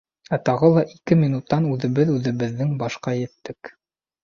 Ә тағы ла ике минуттан үҙебеҙ үҙебеҙҙең башҡа еттек.